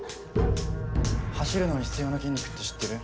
走るのに必要な筋肉って知ってる？